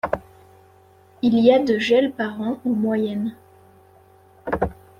Il y a de gel par an en moyenne.